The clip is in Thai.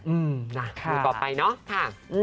อืมนะคุณบอกไปเนอะค่ะ